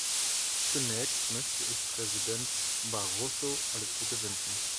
Zunächst möchte ich Präsident Barroso alles Gute wünschen.